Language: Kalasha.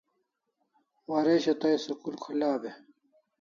Waresho tai school kholaw e?